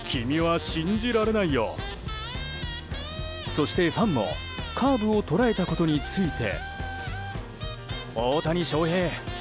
そして、ファンもカーブを捉えたことについて。